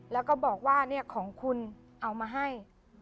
แล้วก็บอกว่าของคุณเอามาให้